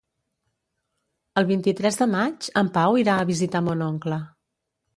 El vint-i-tres de maig en Pau irà a visitar mon oncle.